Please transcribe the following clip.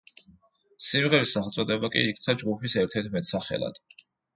სიმღერის სახელწოდება კი იქცა ჯგუფის ერთ-ერთ მეტსახელად.